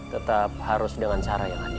tetap harus dengan cara yang adil